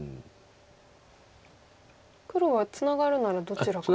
黒はツナがるならどちらから？